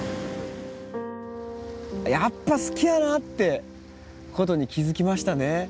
やっぱ好きやなってことに気付きましたね。